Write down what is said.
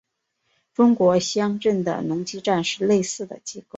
中国乡镇的农机站是类似的机构。